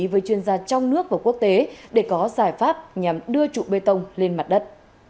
với chuyên gia trong nước và quốc tế để có giải pháp nhằm đưa trụ bê tông lên mặt đất